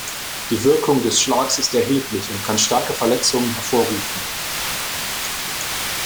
Die Wirkung des Schlags ist erheblich und kann starke Verletzungen hervorrufen.